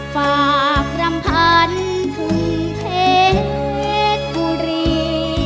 ฝากรำพันธุ์ทุนเทศกุฎี